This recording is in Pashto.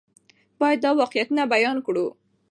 باید دا واقعیتونه بیان کړو.